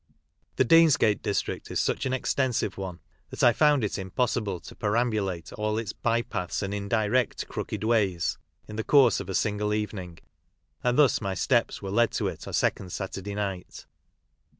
The Deansgate district is such an extensive one that I found it impossible to perambulate all its " by paths and indirect crook'd ways" in the course of a single evening, and thus my steps were led to it a second Saturday night.